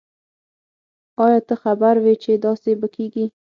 آیا ته خبر وی چې داسي به کیږی